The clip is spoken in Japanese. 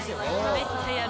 めっちゃやる。